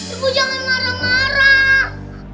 ibu jangan marah marah